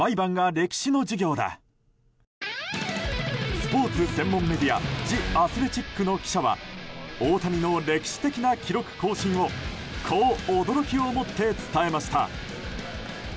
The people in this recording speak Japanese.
スポーツ専門メディアジ・アスレチックの記者は大谷の歴史的な記録更新をこう驚きをもって伝えました。